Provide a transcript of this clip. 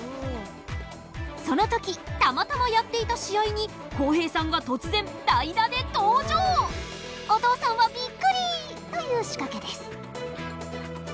その時たまたまやっていた試合に浩平さんが突然代打で登場お父さんはびっくりという仕掛けです。